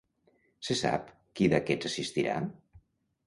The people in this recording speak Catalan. Se sap qui d'aquests assistirà?